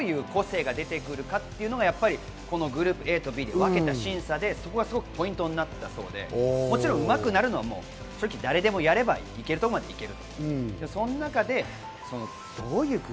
最低ラインとして、そこからどういう個性が出てくるかというのがこのグループＡとＢでわけた審査ですごくポイントになったそうで、うまくなるのは誰でもやればいけるところまではいける。